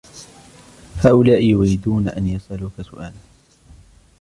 هؤلاء يريدون أن يسألوك سؤالاً.